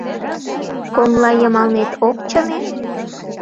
Коҥлайымалнет ок чыме?